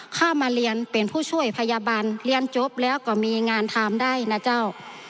เข้ามาเรียนเป็นผู้ช่วยพยาบาลเรียนจบแล้วก็มีงานทำได้นะเจ้า